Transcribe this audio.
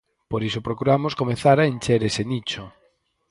Por iso procuramos comezar a encher ese nicho.